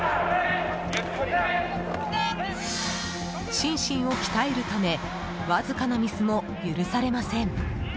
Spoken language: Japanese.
心身を鍛えるためわずかなミスも許されません。